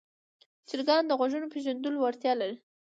چرګان د غږونو پېژندلو وړتیا لري.